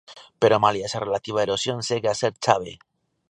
Pero malia esa relativa erosión segue a ser chave.